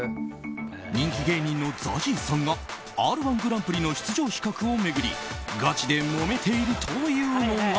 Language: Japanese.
人気芸人のＺＡＺＹさんが「Ｒ‐１グランプリ」の出場資格を巡りガチでもめているというのが。